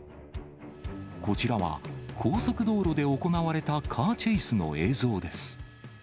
こちらは、高速道路で行われたカーチェイスの映像です。